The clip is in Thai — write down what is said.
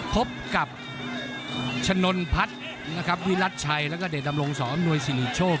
พบกับชะนนพัฒน์วิรัตชัยและเด็ดดำรงสออำนวยศิริโชค